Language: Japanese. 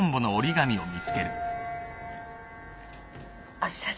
あっ社長